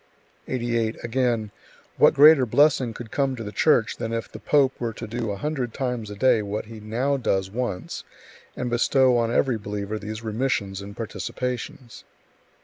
88. Again: "What greater blessing could come to the Church than if the pope were to do a hundred times a day what he now does once, and bestow on every believer these remissions and participations?"